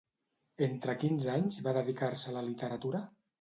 Entre quins anys va dedicar-se a la literatura?